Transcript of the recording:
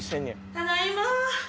ただいま。